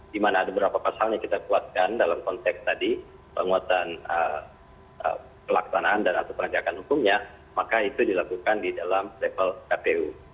di mana ada beberapa pasal yang kita kuatkan dalam konteks tadi penguatan pelaksanaan dan atau penegakan hukumnya maka itu dilakukan di dalam level kpu